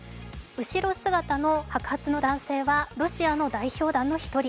後ろ姿の白髪の男性はロシアの代表団の１人。